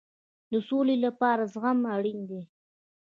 د سولې لپاره زغم اړین دی